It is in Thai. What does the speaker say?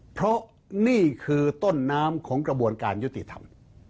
เพราะนี่คือต้นน้ำของกระบวนการยุติธรรม